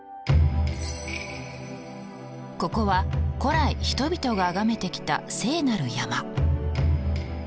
ここは古来人々が崇めてきた聖なる山。